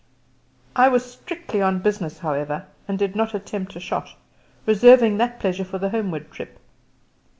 I was out strictly on business, however, and did not attempt a shot, reserving that pleasure for the homeward trip.